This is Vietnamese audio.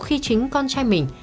khi chính con trai mình